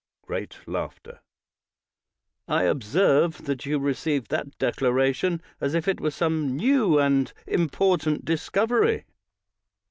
[Great laughter.] I observe that you receive that declaration as if it were some new and important discovery.